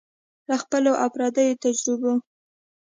له خپلو او پردیو تجربو